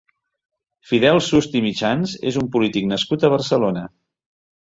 Fidel Sust i Mitjans és un polític nascut a Barcelona.